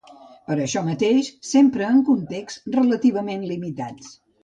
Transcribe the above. Per això mateix s'empra en contexts relativament limitats.